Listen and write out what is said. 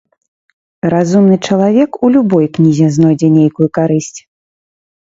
Разумны чалавек у любой кнізе знойдзе нейкую карысць.